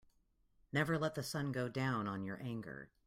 Never let the sun go down on your anger.